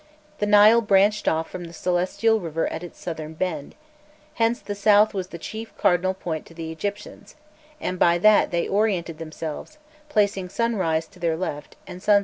The Nile branched off from the celestial river at its southern bend;[*] hence the south was the chief cardinal point to the Egyptians, and by that they oriented themselves, placing sunrise to their left, and sunset to their right.